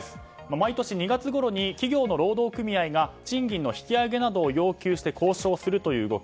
毎年２月ごろに企業の労働組合が賃金の引き上げなどを要求して交渉するという動き。